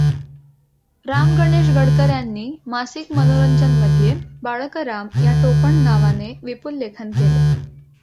राम गणेश गडकर् यांनी मासिक मनोरंजन मध्ये बाळकराम ह्या टोपण नावाने विपुल लेखन केले.